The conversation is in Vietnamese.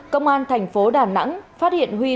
công an tp đà nẵng phát hiện huy